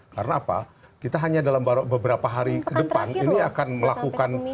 karena apa kita hanya dalam beberapa hari ke depan ini akan melakukan